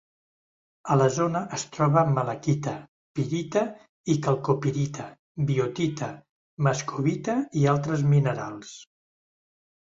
A la zona es troba malaquita, pirita i calcopirita, biotita, moscovita i altres minerals.